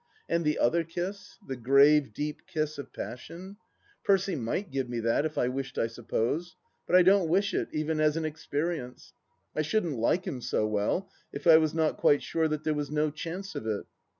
And the other kiss — ^the grave deep kiss of passion. ... Percy might give me that if I wished I suppose ; but I don't wish it, even as an experience. I shouldn't like him so well if I was not quite sure that there was no chance of it.